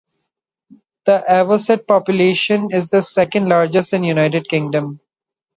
The avocet population is the second largest in the United Kingdom.